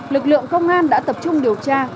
lực lượng công an đã tập trung điều tra